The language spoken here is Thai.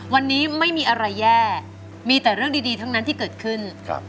วันนี้ไม่มีอะไรแย่มีแต่เรื่องดีทั้งนั้นที่เกิดขึ้น